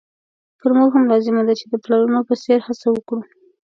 پر موږ هم لازمه ده چې د پلرونو په څېر هڅه وکړو.